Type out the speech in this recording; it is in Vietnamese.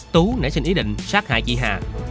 tú nảy sinh ý định sát hại chị hà